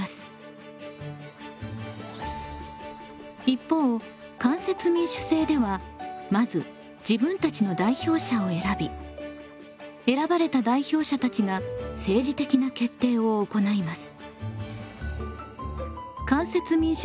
一方間接民主制ではまず自分たちの代表者を選び選ばれた代表者たちが政治的な決定を行います。